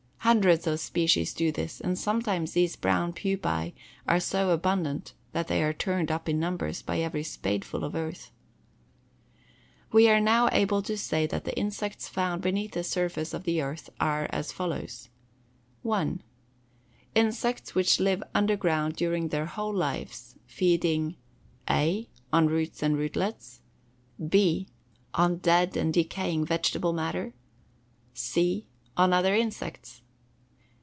Hundreds of species do this and sometimes these brown pupæ are so abundant that they are turned up in numbers with every spadeful of earth. We are now able to say that the insects found beneath the surface of the earth are as follows: 1. Insects which live underground during their whole lives, feeding (a) on roots and rootlets; (b) on dead and decaying vegetable matter; (c) on other insects.